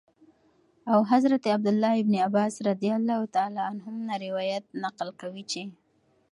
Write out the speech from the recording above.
او حضرت عبدالله بن عباس رضي الله تعالى عنهم نه روايت نقل كوي چې :